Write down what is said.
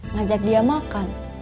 ngajak dia makan